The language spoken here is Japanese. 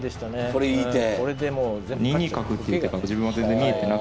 これいい手。